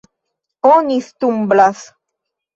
Oni stumblas.